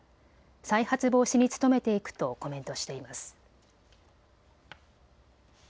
再発防止に努めていくとコメントしています。